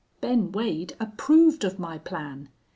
Ben Wade approved of my plan.